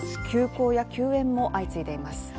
休校や休園も相次いでいます。